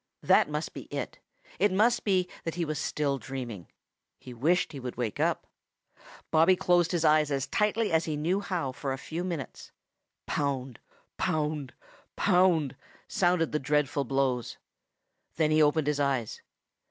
That must be it. It must be that he was still dreaming. He wished that he would wake up. Bobby closed his eyes as tightly as he knew how for a few minutes. Pound, pound, pound, sounded the dreadful blows. Then he opened his eyes.